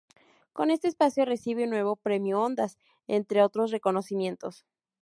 Con este espacio recibe un nuevo Premio Ondas, entre otros reconocimientos.